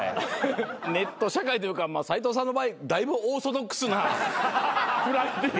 ネット社会というか斉藤さんの場合だいぶオーソドックスなでしたけどね。